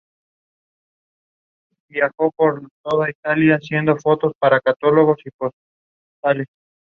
Fue lanzado en dos discos para la Family Computer Disk System.